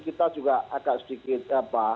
kita juga agak sedikit